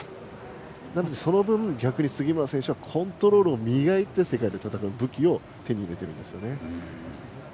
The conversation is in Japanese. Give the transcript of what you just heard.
その分、杉村選手はコントロールを磨いて世界で戦う武器を手に入れているんですね。